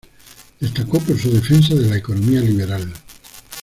Destacó por su defensa de la economía liberal.